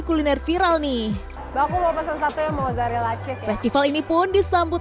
kuliner viral nih aku mau pesan satu yang mozarella cek festival ini pun disambut